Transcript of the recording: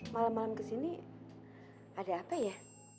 malem malem kesini ada apa ya